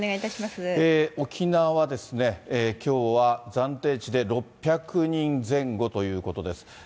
沖縄はですね、きょうは暫定値で６００人前後ということです。